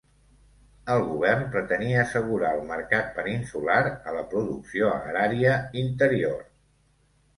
El govern pretenia assegurar el mercat peninsular a la producció agrària interior.